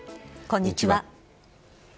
こんにちは。